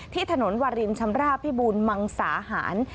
ที่ถนนวารินชำราบพิบูรมังสาหาร